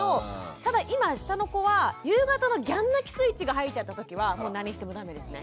ただ今下の子は夕方のギャン泣きスイッチが入っちゃった時は何してもダメですね。